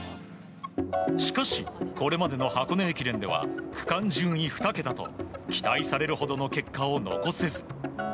しかし、これまでの箱根駅伝は区間順位２桁と期待されるほどの結果を残せず。